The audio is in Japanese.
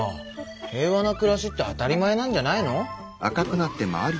平和な暮らしって当たり前なんじゃないの？